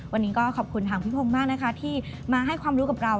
วันนี้ก็ขอบคุณทางพี่พงศ์มากนะคะที่มาให้ความรู้กับเรา